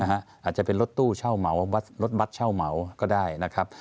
อาจจะเป็นรถตู้เช่าเหมารถบัตรเช่าเหมาก็ได้นะครับ